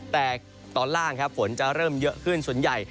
แต่ตอนล่างครับฝนจะเริ่มเยอะขึ้นส่วนใหญ่